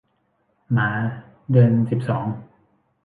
หมาเดือนสิบสอง